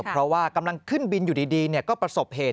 เพราะว่ากำลังขึ้นบินอยู่ดีก็ประสบเหตุ